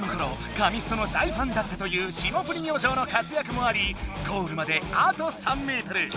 紙フトの大ファンだったという霜降り明星の活躍もありゴールまであと３メートル。